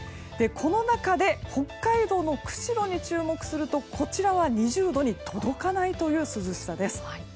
この中で北海道の釧路に注目するとこちらは２０度に届かないという涼しさです。